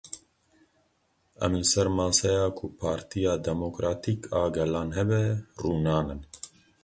Em li ser maseya ku Partiya Demokratîk a Gelan hebe, rûnanin.